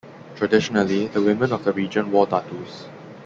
Traditionally the women of the region wore tattoos.